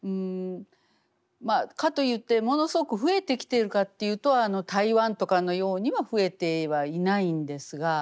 まあかといってものすごく増えてきているかというと台湾とかのようには増えてはいないんですが。